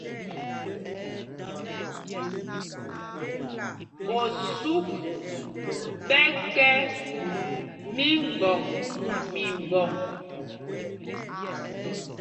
Osûk ɓɛ kɛ́ mímbɔŋ mimbɔŋ.